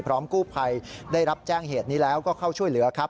พร้อมกู้ภัยได้รับแจ้งเหตุนี้แล้วก็เข้าช่วยเหลือครับ